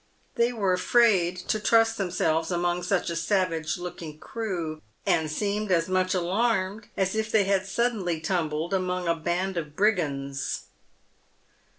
They were afraid to trust themselves among such a savage looking crew, and seemed as much alarmed as if they had sud denly tumbled among a band of brigands.